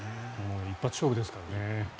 一発勝負ですからね。